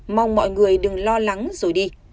mong mọi người đừng lo lắng rồi đi